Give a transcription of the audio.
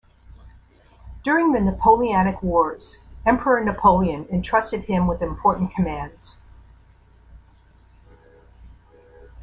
During the Napoleonic Wars, Emperor Napoleon entrusted him with important commands.